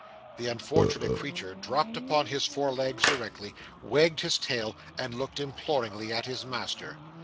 The unfortunate creature dropped upon his fore legs directly, wagged his tail, and looked imploringly at his master.